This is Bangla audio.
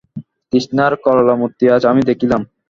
তৃষ্ণার করালমূর্তি আজ আমি দেখিলাম।